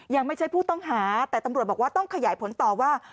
ยังไม่ใช่ผู้ต้องหาแต่ตำรวจบอกว่าต้องขยายผลต่อว่า